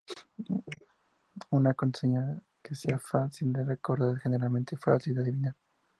Una contraseña que sea fácil de recordar es generalmente fácil de adivinar.